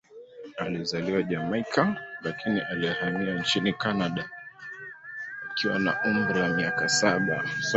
Alizaliwa Jamaika, lakini alihamia nchini Kanada akiwa na umri wa miaka saba.